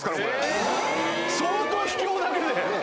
相当秘境だけで！